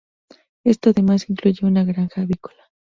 Esto además incluye una granja avícola..